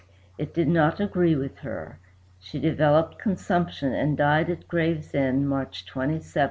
It did not agree with her, she developed consumption, and died at Gravesend, March 27, 1617.